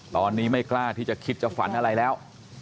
ตอนนี้ไม่กล้าที่จะคิดจะฝันอะไรแล้ว